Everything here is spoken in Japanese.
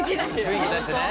雰囲気出してね。